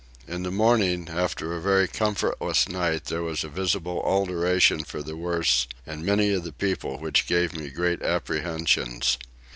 In the morning after a very comfortless night there was a visible alteration for the worse in many of the people which gave me great apprehensions.